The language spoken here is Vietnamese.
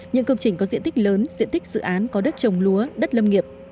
những công trình có diện tích lớn diện tích dự án có đất trồng lúa đất lâm nghiệp